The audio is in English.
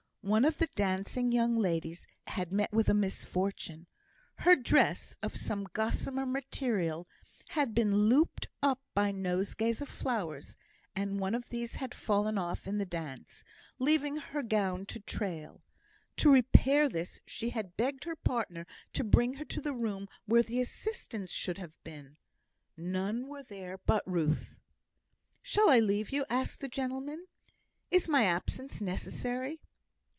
One of the dancing young ladies had met with a misfortune. Her dress, of some gossamer material, had been looped up by nosegays of flowers, and one of these had fallen off in the dance, leaving her gown to trail. To repair this, she had begged her partner to bring her to the room where the assistants should have been. None were there but Ruth. "Shall I leave you?" asked the gentleman. "Is my absence necessary?"